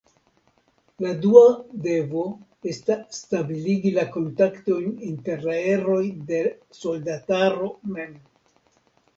La dua devo esta stabiligi la kontaktojn inter la eroj de soldataro mem.